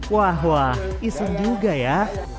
wah wah iseng juga ya